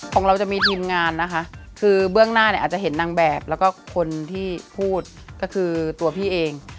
ของเราจะมีทีมงานนะคะคือเบื้องหน้าเนี่ยอาจจะเห็นนางแบบแล้วก็คนที่พูดก็คือตัวพี่เอง